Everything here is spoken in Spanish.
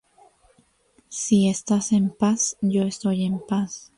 Si estás en paz, yo estoy en paz.